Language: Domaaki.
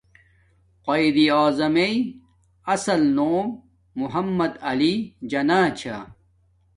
قاݷد اعظم میݵ اصل نوم محمد علی جناح چھا کا